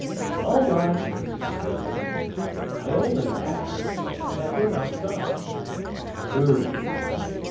"All right," said Linton, "I only asked. I met him outside." "Who?"